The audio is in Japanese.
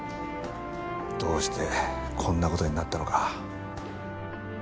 どうしてこんな事になったのか。